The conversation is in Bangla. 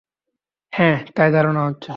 হ্যাঁ, তাই ধারণা হচ্ছে।